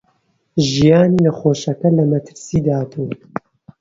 ژیانی نەخۆشەکە لە مەترسیدا بوو.